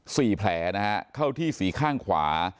สี่แผลนะฮะเข้าที่สี่ข้างขวา